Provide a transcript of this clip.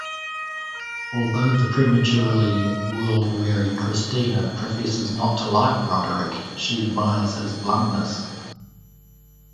Although the prematurely world-weary Christina professes not to like Roderick, she admires his bluntness.